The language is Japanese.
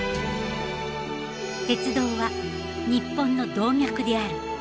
鉄道は日本の動脈である。